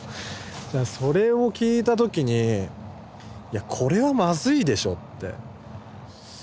それを聞いた時にいやこれはまずいでしょって。